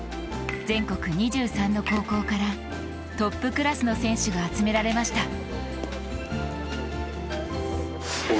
全国２３の高校からトップクラスの選手が集められました。